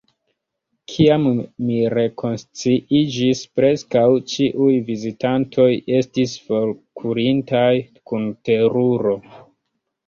Kiam mi rekonsciiĝis, preskaŭ ĉiuj vizitantoj estis forkurintaj kun teruro...